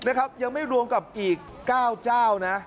นะครับยังไม่รวมกับอีก๙เจ้านะ